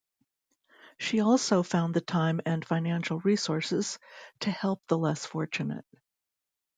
She also found the time and financial resources to help the less fortunate.